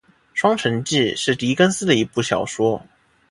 《双城记》是狄更斯的一部小说。